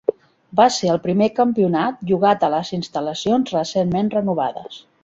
Va ser el primer campionat jugat a les instal·lacions recentment renovades.